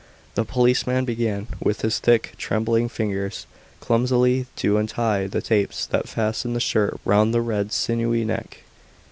The policeman began, with his thick, trembling fingers, clumsily to untie the tapes that fastened the shirt round the red, sinewy neck.